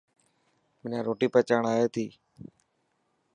منا روٽي پچائڻ اي تي.